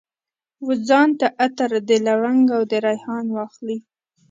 وځان ته عطر، د لونګ او دریحان واخلي